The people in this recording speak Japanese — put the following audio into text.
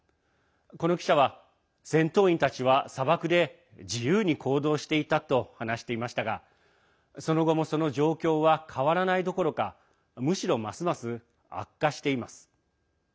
この記者は、戦闘員たちは砂漠で自由に行動していたと話していましたがその後も、その状況は変わらないどころかむしろ、ますます悪化しています。